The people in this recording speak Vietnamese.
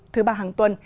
thứ ba hàng tuần